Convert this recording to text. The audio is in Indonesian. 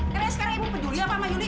karena sekarang ibu pejulia pak mayuli